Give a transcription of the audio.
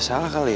gak ada temennya